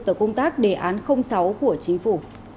tờ công tác đề án sáu của chính phủ